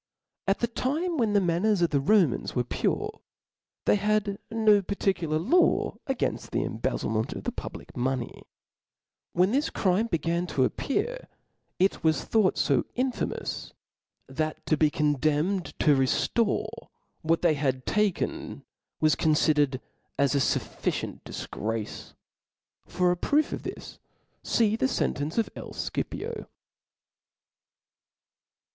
A T the time when the manners of the Rb *^ mans were pure, they had ho particular laW 'againft the embezzlement of the publk monej^. When this crime began to appear, it was thought fo infamods, that to be condenined to reftore if){^Ufim>^ what they had taken, was coniSdcred as a fufR ^^ cient difgrace r for a proof of this, fee the fentence of L. Scipio (*).